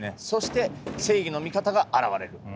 そして正義の味方が現れる。